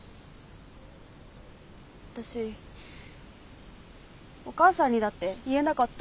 私お母さんにだって言えなかった。